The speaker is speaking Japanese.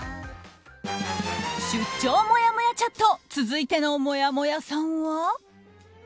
出張もやもやチャット続いてのもやもやさんは。